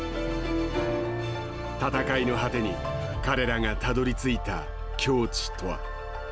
戦いの果てに彼らがたどりついた境地とは。